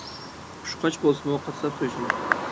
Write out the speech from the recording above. قۇشقاچ بولسىمۇ قاسساپ سويسۇن.